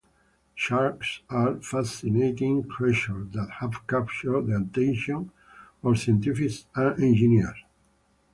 Sharks are fascinating creatures that have captured the attention of scientists and engineers.